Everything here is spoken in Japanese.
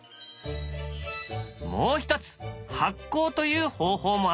もう一つ「はっこう」という方法もある。